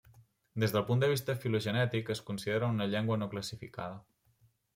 Des del punt de vista filogenètic es considera una llengua no classificada.